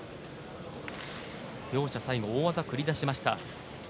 両者最後、大技繰り出しました。